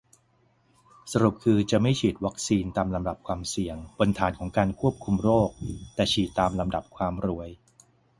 สรุปคือ จะไม่ฉีดวัคซีนตามลำดับความเสี่ยง-บนฐานของการควบคุมโรค แต่ฉีดตามลำดับความรวย